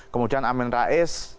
kemudian amin rais